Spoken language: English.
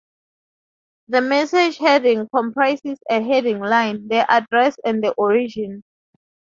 The message Heading comprises a Heading Line, the Address and the Origin.